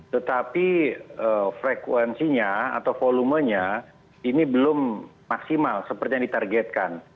tetapi frekuensinya atau volumenya ini belum maksimal seperti yang ditargetkan